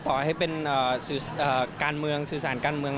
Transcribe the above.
ต่อให้เป็นการเมืองสื่อสารการเมือง